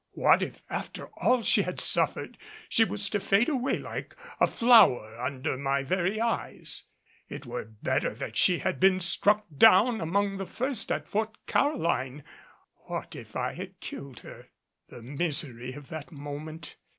What if, after all she had suffered, she was to fade away like a flower under my very eyes. It were better that she had been struck down among the first at Fort Caroline. What if I had killed her? The misery of that moment!